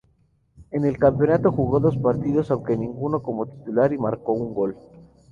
En el campeonato jugó dos partidos, aunque ninguno como titular, y marcó un gol.